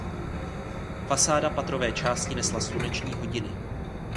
Fasáda patrové části nesla sluneční hodiny.